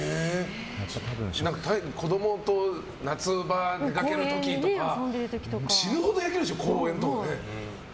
子供と夏場に出かける時とか死ぬほど焼けるでしょ公園とかで。